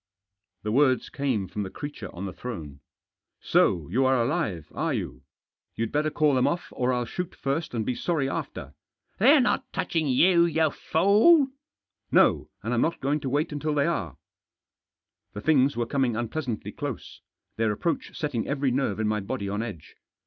The words came from the creature on the throne. " So you are alive, are you ? You'd better call them off, or I'll shoot first, and be sorry after." " They're not touching you, you fool !"" No, and I'm not going to wait until they are." The things were coming unpleasantly close — their approach setting every nerve in my body on edge.